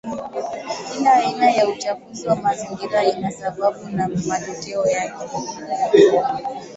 Kila aina ya uchafuzi wa mazingira ina sababu na matokeo yake